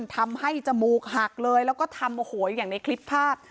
ทำให้จมูกหักเลยแล้วก็ทำโหยอย่างในคลิปพลาด